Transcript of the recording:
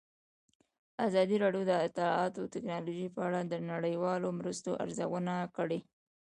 ازادي راډیو د اطلاعاتی تکنالوژي په اړه د نړیوالو مرستو ارزونه کړې.